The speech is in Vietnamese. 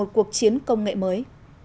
tại đầu của một cuộc chiến công nghệ mới